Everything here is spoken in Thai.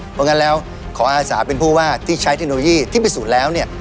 เพราะงั้นแล้วขออาสาเป็นผู้ว่าที่ใช้เทคโนโลยีที่พิสูจน์แล้วเนี่ย